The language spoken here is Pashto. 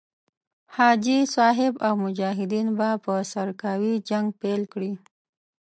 حاجي صاحب او مجاهدین به په سرکاوي جنګ پيل کړي.